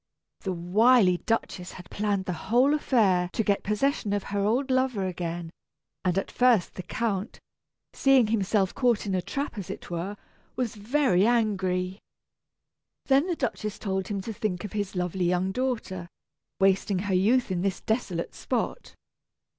The wily Duchess had planned the whole affair to get possession of her old lover again, and at first the Count, seeing himself caught in a trap as it were, was very angry. Then the Duchess told him to think of his lovely young daughter, wasting her youth in this desolate spot.